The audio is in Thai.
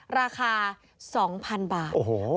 ราคา๒๐๐๐บาท